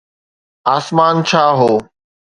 آسمان ڇا هو؟